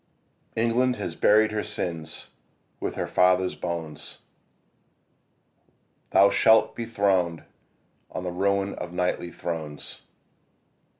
ENGLAND has buried her sins with her fathers' bones. Thou shalt be throned on the ruin of kingly thrones.